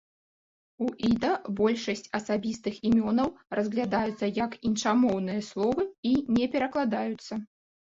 У іда большасць асабістых імёнаў разглядаюцца як іншамоўныя словы іне перакладаюцца.